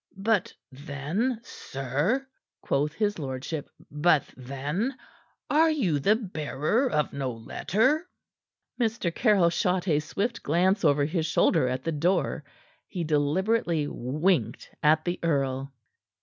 "But then, sir?" quoth his lordship. "But then are you the bearer of no letter?" Mr. Caryll shot a swift glance over his shoulder at the door. He deliberately winked at the earl.